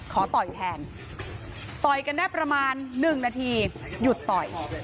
ต่อยแทนต่อยกันได้ประมาณ๑นาทีหยุดต่อย